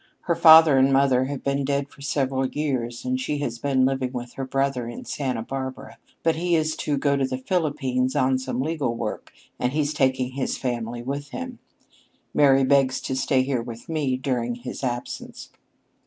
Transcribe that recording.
"Her father and mother have been dead for several years, and she has been living with her brother in Santa Barbara. But he is to go to the Philippines on some legal work, and he's taking his family with him. Mary begs to stay here with me during his absence."